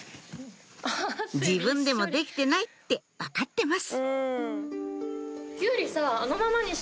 自分でもできてないって分かってます